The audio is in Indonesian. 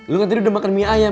lo kan tadi udah makan mie ayam